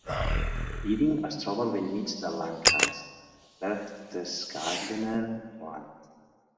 Piding es troba al bell mig del "Landkreis" Berchtesgadener Land.